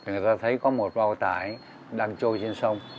người ta thấy có một bao tải đang trôi trên sông